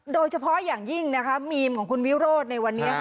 โดยเฉพาะอย่างยิ่งนะคะมีมของคุณวิโรธในวันนี้